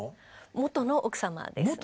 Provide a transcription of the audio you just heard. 元の奥様ですね。